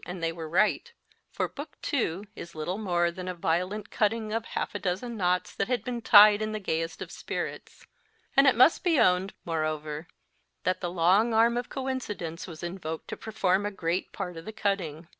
and they were right ; for Book II. is little more than a violent cutting of half a dozen knots that had been tied in the gayest of spirits ; and THE OLD STUDY it must be owned, moreover, that the long arm of coincidence was invoked to perform a great part of the cutting.